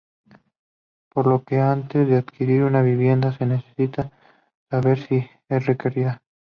Por lo que antes de adquirir una vivienda se necesita saber si es requerida.